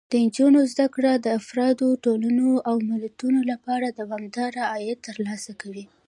د نجونو زده کړه د افرادو، ټولنو او ملتونو لپاره دوامداره عاید ترلاسه کوي.